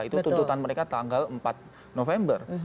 itu tuntutan mereka tanggal empat november